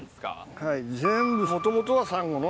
はい全部もともとはサンゴの。